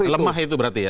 lemah itu berarti ya